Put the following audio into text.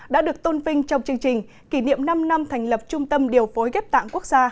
đã được tôn vinh trong chương trình kỷ niệm năm năm thành lập trung tâm điều phối ghép tạng quốc gia